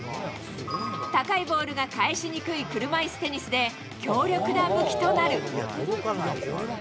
高いボールが返しにくい車いすテニスで強力な武器となる。